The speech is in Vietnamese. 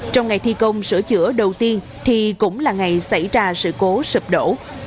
trong ngày thi công sửa chữa đầu tiên thì cũng là ngày xảy ra sự cố sập đổ